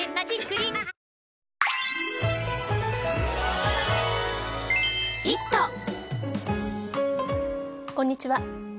こんにちは。